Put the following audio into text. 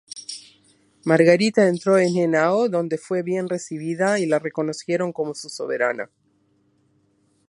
Margarita entró en Henao donde fue bien recibida y la reconocieron como su soberana.